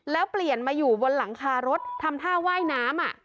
แล้วเปลี่ยนมาอยู่บนหลังคารถทำท่าว่ายน้ำ